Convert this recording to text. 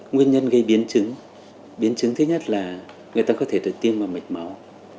nguyên nhân gây biến chứng biến chứng thứ nhất là người ta có thể được tiêm vào mạch máu